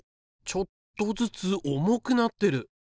ちょっとずつ重くなってる！